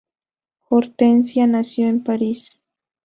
Hortensia nació en París.